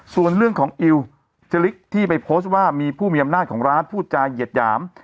ส่วนเรื่องของอิวจริตที่ไปโพสต์ว่ามีผู้มีอำนาจของร้านพูดจาเหยียดหยาม